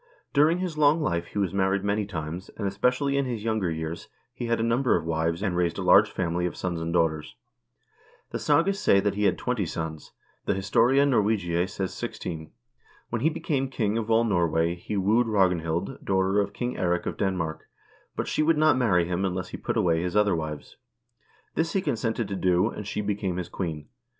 During his long life he was married many times, and, especially in his younger years, he had a number of wives, and raised a large family of sons and daughters. The sagas say that he had twenty sons; the "Historia Norwegiae" says sixteen. When he became king of all Norway, he wooed Ragnhild, daughter of King Eirik of Denmark, but she would not marry him unless he put away his other wives. This he consented to do, and she became his queen.